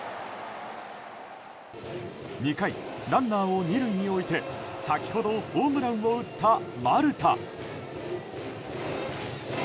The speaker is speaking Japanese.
２回、ランナーを２塁に置いて先ほどホームランを打った丸田。